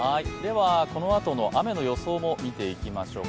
このあとの雨の予想を見ていきましょうか。